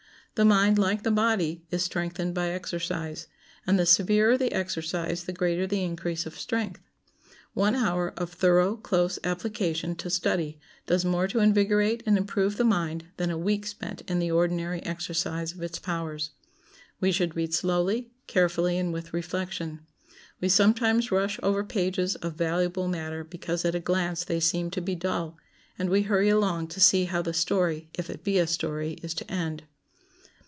The mind, like the body, is strengthened by exercise, and the severer the exercise the greater the increase of strength. One hour of thorough, close application to study does more to invigorate and improve the mind than a week spent in the ordinary exercise of its powers. We should read slowly, carefully, and with reflection. We sometimes rush over pages of valuable matter because at a glance they seem to be dull, and we hurry along to see how the story, if it be a story, is to end.